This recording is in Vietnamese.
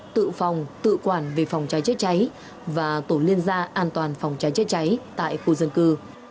tự phòng tự quản về phòng cháy chữa cháy và tổ liên gia an toàn phòng cháy chữa cháy tại khu dân cư